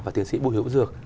và tiến sĩ bù hiểu dược